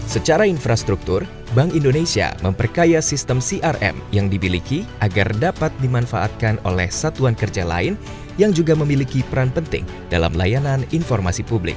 secara infrastruktur bank indonesia memperkaya sistem crm yang dibiliki agar dapat dimanfaatkan oleh satuan kerja lain yang juga memiliki peran penting dalam layanan informasi publik